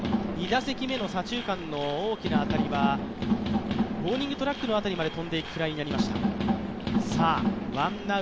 ２打席目の左中間の大きな当たりはウオーニングトラックの辺りまで飛んでいく当たりでした。